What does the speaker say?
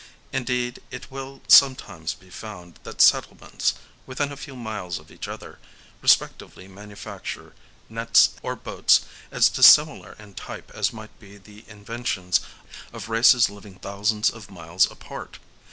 Indeed it will sometimes be found that settlements, within a few miles of each other, respectively manufacture nets or boats as dissimilar in type as might be the inventions of races living thousands of miles apart.